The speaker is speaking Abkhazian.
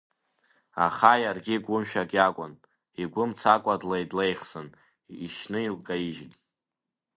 Аха иаргьы гәымшәак иакәын, игәы мцакәа длеи длеихсын, ишьны илкаижьит.